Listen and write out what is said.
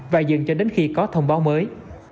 và dừng cho đến khi có thông báo mới